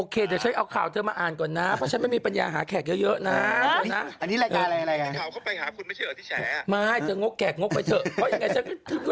คือคุณจะไปบอกว่าเป็นวันที่๑๕